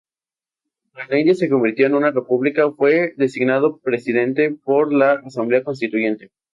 Cuando India se convirtió en una república, fue designado presiente por la Asamblea Constituyente.